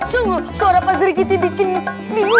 sungguh suara pasir kiti bikin bingung